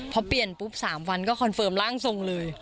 พอเปลี่ยนปุ๊บ๓วันก็คอนเฟิร์มร่างทรงเลย